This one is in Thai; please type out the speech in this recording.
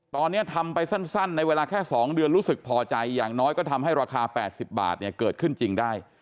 ตอนนี้ทำไปสั้นในเวลาแค่๒เดือนรู้สึกพอใจอย่างน้อยก็ทำให้ราคา๘๐บาทเกิดขึ้นจริงได้